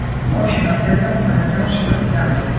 Hoxe no Celta compareceu o seu capitán.